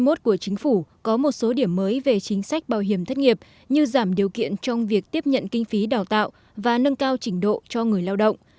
nghị quyết của chính phủ có một số điểm mới về chính sách bảo hiểm thất nghiệp như giảm điều kiện trong việc tiếp nhận kinh phí đào tạo và nâng cao trình độ cho người lao động